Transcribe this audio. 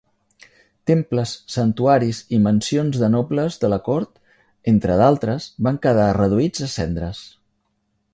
Temples, santuaris i mansions de nobles de la cort, entre d'altres, van quedar reduïts a cendres.